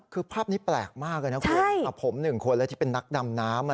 คือภาพนี้แปลกมากเลยนะคุณผม๑คนแล้วที่เป็นนักดำน้ำ